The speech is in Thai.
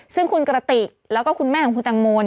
ซึ่งคุณกระติกแล้วก็คุณแม่ของคุณตังโม